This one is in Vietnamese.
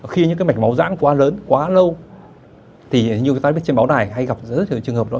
khi những cái mạch máu rãng quá lớn quá lâu thì nhiều người ta biết trên báo đài hay gặp rất nhiều trường hợp đó